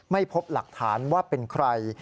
ไม่พบหลักฐานว่าเป็นใคร